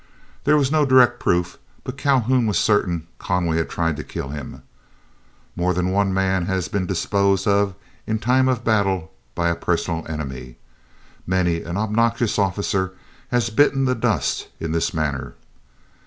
There was no direct proof, but Calhoun was certain Conway had tried to kill him. More than one man has been disposed of in time of battle by a personal enemy. Many an obnoxious officer has bitten the dust in this manner.